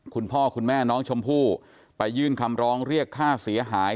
คุณพ่อคุณแม่น้องชมพู่ไปยื่นคำร้องเรียกค่าเสียหาย